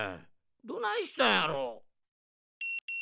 どないしたんやろ？